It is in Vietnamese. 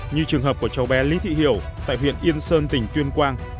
như trường hợp của cháu bé lý thị hiểu tại huyện yên sơn tỉnh tuyên quang